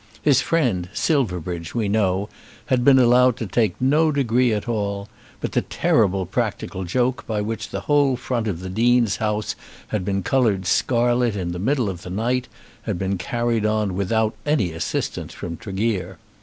His friend Silverbridge, we know, had been allowed to take no degree at all; but the terrible practical joke by which the whole front of the Dean's house had been coloured scarlet in the middle of the night, had been carried on without any assistance from Tregear.